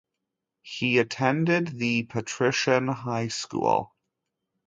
He attended the Patrician High School.